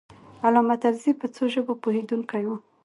علامه طرزی په څو ژبو پوهېدونکی و.